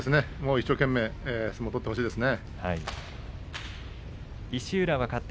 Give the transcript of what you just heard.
一生懸命相撲を取ってほしいですね。